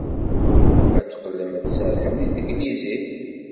Ad teqqlem ad tserrḥem deg tanglizit!